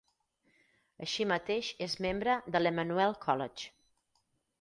Així mateix és membre de l'Emmanuel College.